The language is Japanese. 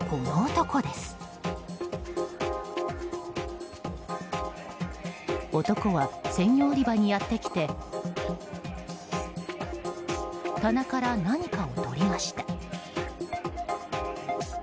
男は鮮魚売り場にやってきて棚から何かを取りました。